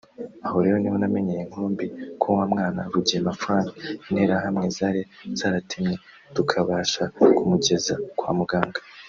Aho rero niho namenyeye inkuru mbi ko wa mwana Rugema Frank interahamwe zari zaratemye tukabasha kumugeza kwa muganga